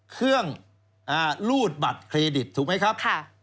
เครื่องรูดบัตรเครดิตถูกไหมครับ